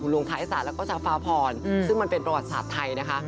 คุณลงทายสาตย์และชาวฟาวพรซึ่งมันเป็นประวัติศาสตร์ไทย